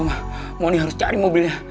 mama harus cari mobilnya